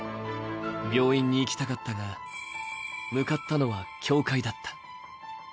病院に行きたかったが、向かったのは教会だった。